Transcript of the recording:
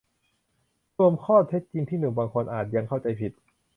รวมข้อเท็จจริงที่หนุ่มบางคนอาจยังเข้าใจผิด